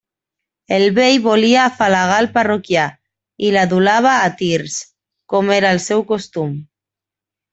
El vell volia afalagar el parroquià, i l'adulava a tirs, com era el seu costum.